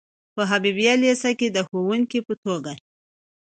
په حبیبیه لیسه کې د ښوونکي په توګه.